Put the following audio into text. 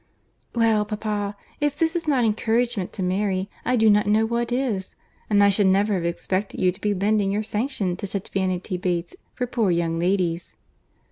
"Well, papa, if this is not encouragement to marry, I do not know what is. And I should never have expected you to be lending your sanction to such vanity baits for poor young ladies."